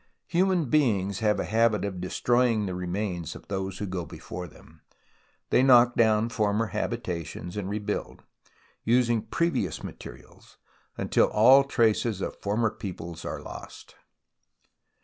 Human beings have a habit of destroy ing the remains of those who go before them. They knock down former habitations and rebuild, using previous materials, until all traces of former peoples are lost.